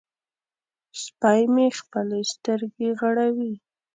سپی مې خپلې سترګې غړوي.